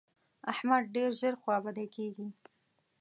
احمد ډېر ژر خوابدی کېږي.